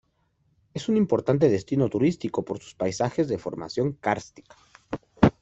Es un importante destino turístico por sus paisajes de formación kárstica.